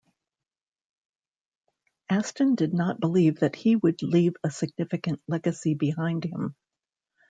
Aston did not believe that he would leave a significant legacy behind him.